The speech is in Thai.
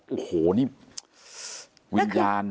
โอ้โหนี่วิญญาณ